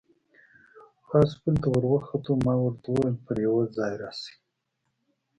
پاس پل ته ور وخوتو، ما ورته وویل: پر یوه ځای راشئ.